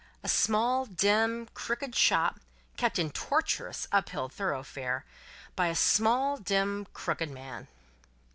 A small, dim, crooked shop, kept in a tortuous, up hill thoroughfare, by a small, dim, crooked man.